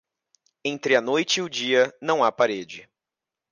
Entre a noite e o dia não há parede.